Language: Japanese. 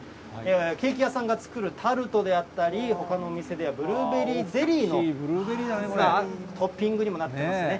ケーキ屋さんが作るタルトであったり、ほかのお店では、ブルーベリーゼリーのトッピングにもなってますね。